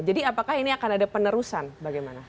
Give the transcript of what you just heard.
jadi apakah ini akan ada penerusan bagaimana